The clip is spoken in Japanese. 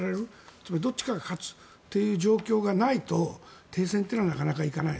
つまりどっちかが勝つという状況がないと停戦というのはなかなかいかない。